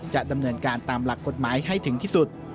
จะดำเนินการตามหลักกฎหมายให้ถึงที่สุด